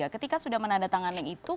ketika sudah menandatangani itu